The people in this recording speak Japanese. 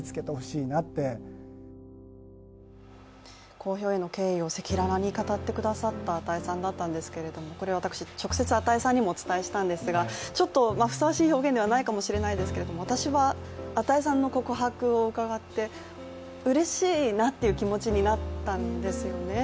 公表への経緯を赤裸々に語ってくれた與さんでしたがこれ私、直接、與さんにもお伝えしたんですがふさわしい表現ではないかもしれないんですが私は與さんの告白を伺って、うれしいなっていう気持ちになったんですよね